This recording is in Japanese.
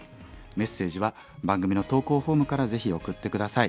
メッセージは番組の投稿フォームからぜひ送って下さい。